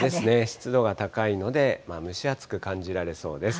湿度が高いので、蒸し暑く感じられそうです。